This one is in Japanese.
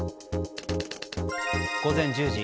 午前１０時。